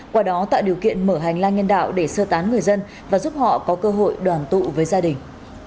qua đó tạo điều kiện mở hành lang nhân đạo để sơ tán người dân và giúp họ có cơ hội đoàn tụ với gia đình